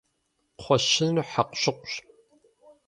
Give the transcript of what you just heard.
Кхъуэщыныр хьэкъущыкъущ.